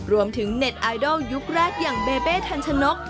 เน็ตไอดอลยุคแรกอย่างเบเบทันชนก